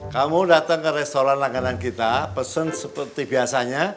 kamu datang ke restoran langganan kita pesen seperti biasanya